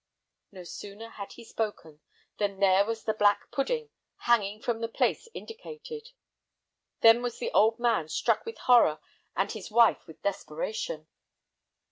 No sooner had he spoken than there was the black pudding hanging from the place indicated! Then was the old man struck with horror and his wife with desperation!